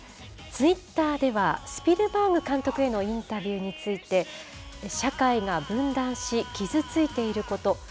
ツイッターでは、スピルバーグ監督へのインタビューについて、社会が分断し、傷ついていること。